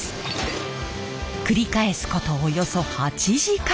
繰り返すことおよそ８時間。